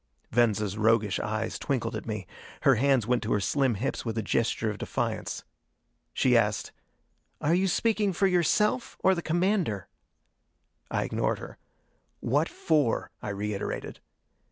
Venza's roguish eyes twinkled at me. Her hands went to her slim hips with a gesture of defiance. She asked, "Are you speaking for yourself or the commander?" I ignored her. "What for?" I reiterated.